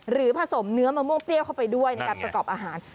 ผสมเนื้อมะม่วงเปรี้ยวเข้าไปด้วยในการประกอบอาหาร